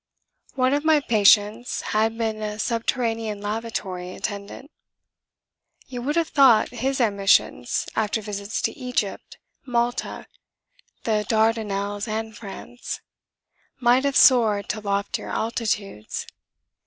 One of my patients had been a subterranean lavatory attendant. You would have thought his ambitions after visits to Egypt, Malta, the Dardanelles and France might have soared to loftier altitudes.